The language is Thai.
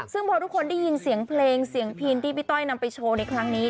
ซึ่งพอทุกคนได้ยินเสียงเพลงเสียงพินที่พี่ต้อยนำไปโชว์ในครั้งนี้